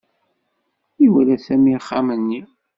Iwala Sami axxam-nni.